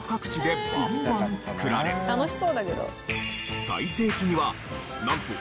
楽しそうだけど。